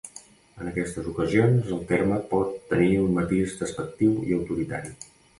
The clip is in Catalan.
En aquestes ocasions el terme pot tenir un matís despectiu i autoritari.